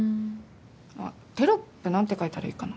あっテロップ何て書いたらいいかな？